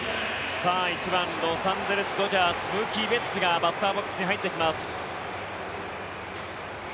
１番ロサンゼルス・ドジャースムーキー・ベッツがバッターボックスに入ってきます。